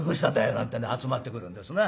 なんてんで集まってくるんですな。